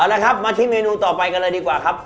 เอาละครับมาที่เมนูต่อไปกันเลยดีกว่าครับ